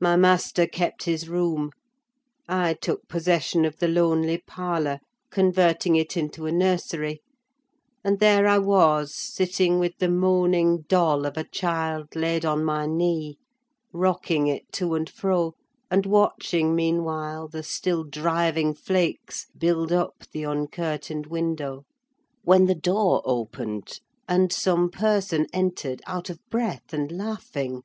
My master kept his room; I took possession of the lonely parlour, converting it into a nursery: and there I was, sitting with the moaning doll of a child laid on my knee; rocking it to and fro, and watching, meanwhile, the still driving flakes build up the uncurtained window, when the door opened, and some person entered, out of breath and laughing!